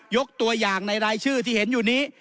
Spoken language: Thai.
ยกตัวอย่างในรายชื่อที่เห็นอยู่นี้